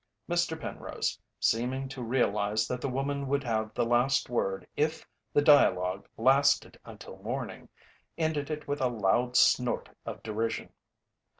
Mr. Penrose, seeming to realize that the woman would have the last word if the dialogue lasted until morning, ended it with a loud snort of derision.